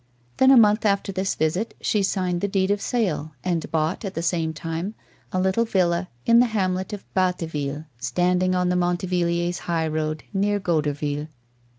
Then, a month after this visit, she signed the deed of sale, and bought, at the same time, a little villa in the hamlet of Batteville, standing on the Montivilliers high road, near Goderville.